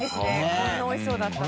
こんなおいしそうだったら。